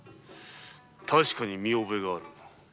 確かに見覚えがある。